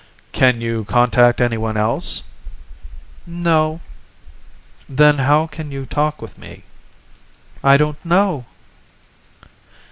"Can you contact anyone else?" "No." "Then how can you talk with me?" "I don't know."